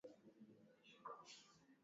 kuhakikisha watu wengi zaidi wanapata ajira